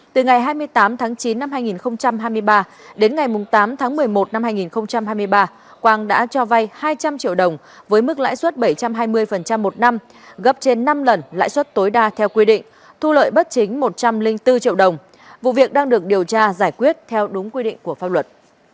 từ ngày hai mươi tám tháng chín năm hai nghìn hai mươi ba đến ngày tám tháng một mươi một năm hai nghìn hai mươi ba quang đã cho vay hai trăm linh triệu đồng với mức lãi suất bảy trăm hai mươi một năm gấp trên năm lần lãi suất tối đa theo quy định thu lợi bất chính một trăm linh bốn triệu đồng vụ việc đang được điều tra giải quyết theo đúng quy định của pháp luật